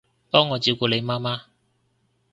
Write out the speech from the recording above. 幫我照顧你媽媽